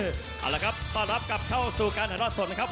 เอาละครับต้อนรับกลับเข้าสู่การถ่ายทอดสดนะครับ